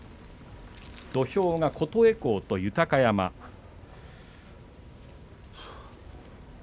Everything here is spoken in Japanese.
土俵上は琴恵光と豊山です。